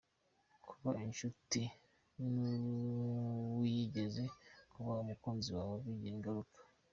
Kuba inshuti n’uwigeze kuba umukunzi wawe bigira ingaruka